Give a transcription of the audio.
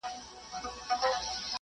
په سياست کې هيڅ شی ثابت نه پاتې کېږي.